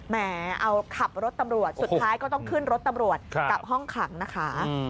แหมเอาขับรถตำรวจสุดท้ายก็ต้องขึ้นรถตำรวจกับห้องขังนะคะ